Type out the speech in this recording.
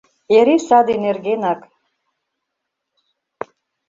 — Эре саде нергенак...